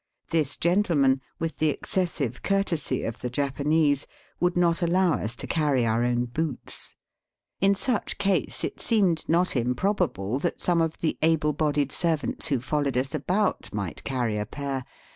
This gentleman, with the exi3essive courtesy of the Japanese, would not allow us to carry our own boots. In such case it seemed not improbable that some of the able bodied servants who followed us about might carry a pair.